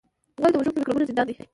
غول د وژونکو میکروبونو زندان دی.